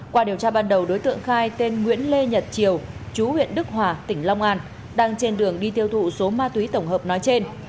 qua điều tra ban đầu đối tượng khai tên nguyễn lê nhật triều chú huyện đức hòa tỉnh long an đang trên đường đi tiêu thụ số ma túy tổng hợp nói trên